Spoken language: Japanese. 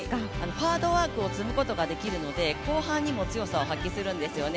ハードワークを積むことができるので後半にも強さを発揮するんですよね。